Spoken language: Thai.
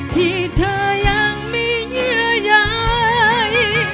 ที่เธอยังมีเยอะใหญ่